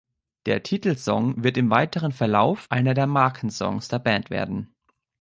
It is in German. Der Titelsong wird im weiteren Verlauf einer der Markensongs der Band werden.